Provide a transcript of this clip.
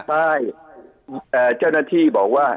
ใช่เจ้าหน้าที่บอกว่า